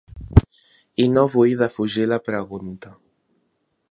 I no vull defugir la pregunta.